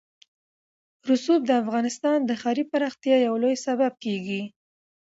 رسوب د افغانستان د ښاري پراختیا یو لوی سبب کېږي.